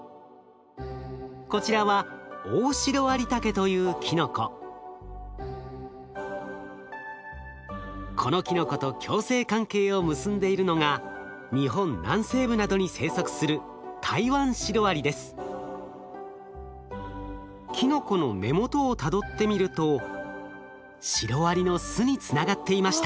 中にはお互いがこちらはこのキノコと共生関係を結んでいるのが日本南西部などに生息するキノコの根元をたどってみるとシロアリの巣につながっていました。